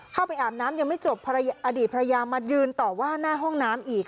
อาบน้ำยังไม่จบอดีตภรรยามายืนต่อว่าหน้าห้องน้ำอีก